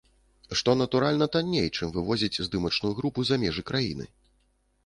Што, натуральна, танней, чым вывозіць здымачную групу за межы краіны.